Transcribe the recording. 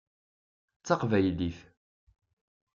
D taqbaylit.